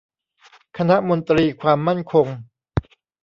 คณะมนตรีความมั่นคง